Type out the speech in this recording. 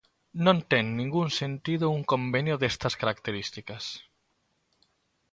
Non ten ningún sentido un convenio destas características.